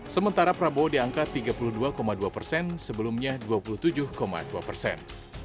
sementara prabowo di angka tiga puluh dua dua persen sebelumnya dua puluh tujuh dua persen